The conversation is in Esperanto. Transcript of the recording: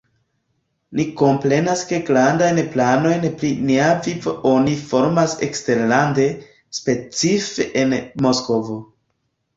Ni komprenas ke grandajn planojn pri nia vivo oni formas eksterlande, specife en Moskvo.